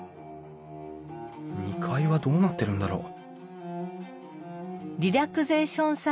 ２階はどうなってるんだろう？